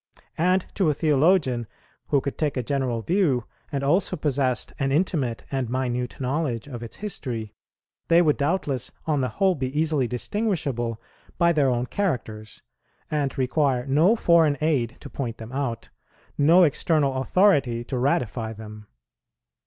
and to a theologian, who could take a general view, and also possessed an intimate and minute knowledge, of its history, they would doubtless on the whole be easily distinguishable by their own characters, and require no foreign aid to point them out, no external authority to ratify them.